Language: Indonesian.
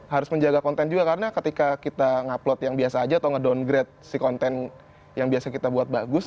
harus menjaga konten juga karena ketika kita upload yang biasa aja atau nge downgrade si konten yang biasa kita buat bagus